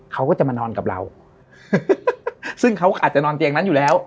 เขาก็จะมานอนกับเราซึ่งเขาก็อาจจะนอนเตียงนั้นอยู่แล้ว